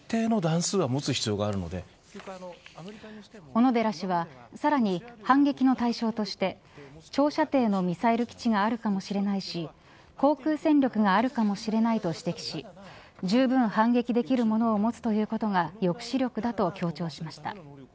小野寺氏はさらに反撃の対象として長射程のミサイル基地があるかもしれないし航空戦力があるかもしれないと指摘しじゅうぶん反撃できるものを持つということが抑止力だと強調しました。